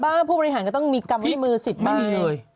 ผู้บริหารก็ต้องมีกรรมด้วยมือสิทธิ์บ้าง